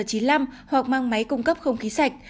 hoặc mang máy cung cấp không khí sạch